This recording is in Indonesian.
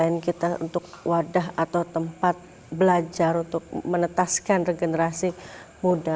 kita juga berdiri pada tempat yang mudah atau tempat belajar untuk menetaskan regenerasi muda